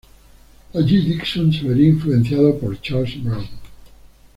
Allí Dixon se vería influenciado por Charles Brown.